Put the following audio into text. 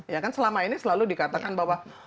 ya kan selama ini selalu dikatakan bahwa